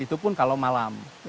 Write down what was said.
itu pun kalau malam